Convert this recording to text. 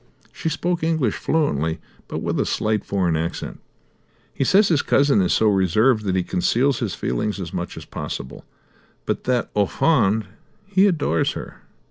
She spoke English fluently, but with a slight foreign accent. "He says his cousin is so reserved that he conceals his feelings as much as possible, but that, au fond, he adores her."